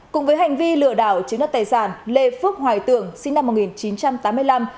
cùng với hành vi lửa đảo chính đất tài sản lê phước hoài tường sinh năm một nghìn chín trăm tám mươi năm